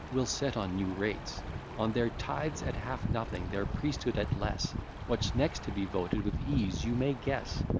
We'll set on new rates On their tithes at half nothing, their priesthood at less; What's next to be voted with ease you may guess.